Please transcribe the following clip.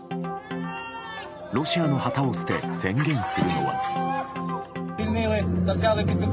ロシアの旗を捨て宣言するのは。